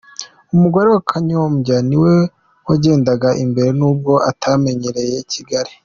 Umugore wa Kanyombya ni we wagendaga imbere n'ubwo atamenyereye Kigali.